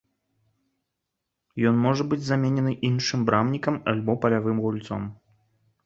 Ён можа быць заменены іншым брамнікам альбо палявым гульцом.